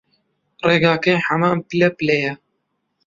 ڕێگاکەی حەمام پللە پللەیە